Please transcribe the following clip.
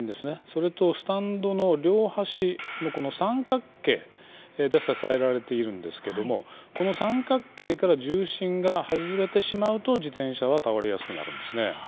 それとスタンドの両端のこの三角形で支えられているんですけどもこの三角形から重心が外れてしまうと自転車は倒れやすくなるんですね。